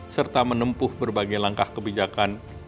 serta menempuh berbagai langkah kebijakan